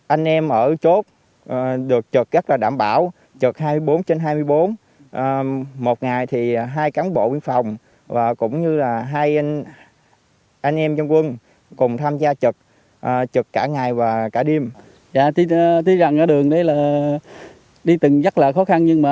anh em ở chốt được trực rất là đảm bảo trực hai mươi bốn trên hai mươi bốn một ngày thì hai cán bộ biên phòng và cũng như là hai cán bộ chiến sĩ biên phòng và hai lực lượng dân quân tự dệ